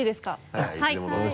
はいいつでもどうぞ。